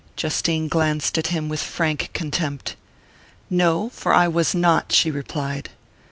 Justine glanced at him with frank contempt. "No for I was not," she replied.